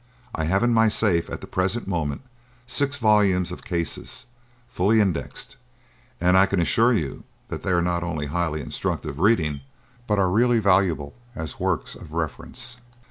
I have in my safe at the present moment six volumes of cases, fully indexed; and I can assure you that they are not only highly instructive reading, but are really valuable as works of reference."